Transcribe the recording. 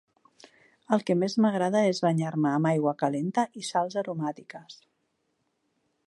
Els que més m'agrada és banyar-me amb aigua calenta i sals aromàtiques.